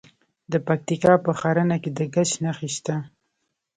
د پکتیکا په ښرنه کې د ګچ نښې شته.